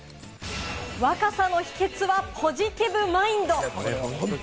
若さの秘訣はポジティブマインド。